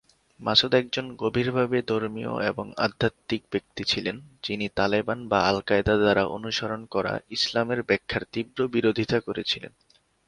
মাসুদ একজন গভীরভাবে ধর্মীয় এবং আধ্যাত্মিক ব্যক্তি ছিলেন, যিনি তালেবান বা আল-কায়েদা দ্বারা অনুসরণ করা ইসলামের ব্যাখ্যার তীব্র বিরোধিতা করেছিলেন।